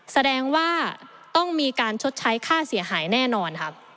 แสดงว่าต้องมีการชดใช้ค่าเสียหายแน่นอนครับ